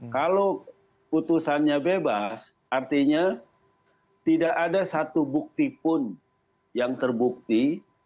kalau putusannya bebas artinya tidak ada satu bukti pun yang terbukti